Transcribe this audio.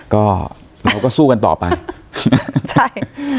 ก็เราก็สู้กันต่อไปใช่